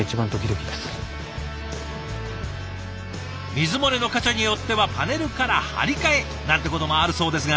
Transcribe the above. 水漏れの箇所によってはパネルから張り替えなんてこともあるそうですが。